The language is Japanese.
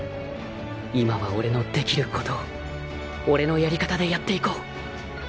今は俺の出来ることを俺のやり方でやっていこう。